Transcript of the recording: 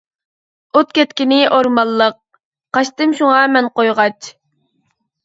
ئوت كەتكىنى ئورمانلىق، قاچتىم شۇڭا مەن قويغاچ.